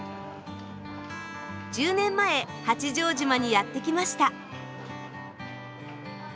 １０年前八丈島にやって来ました。